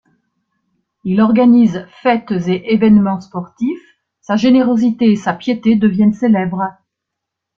Il organise fêtes et évènements sportifs, sa générosité et sa piété deviennent célèbres.